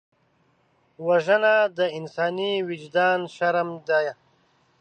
وژنه د انساني وجدان شرم ده